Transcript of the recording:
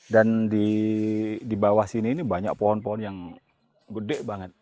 dan di bawah sini ini banyak pohon pohon yang gede banget